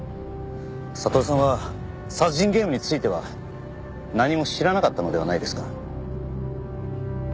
悟さんは殺人ゲームについては何も知らなかったのではないですか？